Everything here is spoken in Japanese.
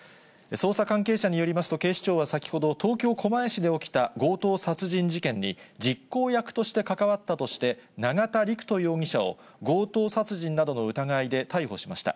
捜査関係者によりますと、警視庁は先ほど、東京・狛江市で起きた強盗殺人事件に、実行役として関わったとして、永田陸人容疑者を強盗殺人などの疑いで逮捕しました。